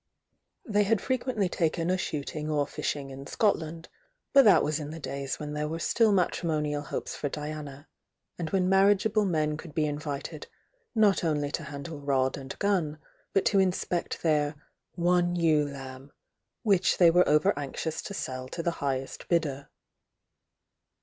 They had frequently taken a shooting or fishing in Scotland, but that was in the days when there were still matrimonial hopes for Diana, and when marriageable men could be in vited, not only to handle rod and gun, but to inspect their "one ewe lamV," which they were over anx ious to sell to the highest bidder.